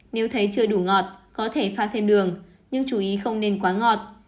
nếu thấy chưa đủ ngọt có thể pha thêm đường nhưng chú ý không nên quá ngọt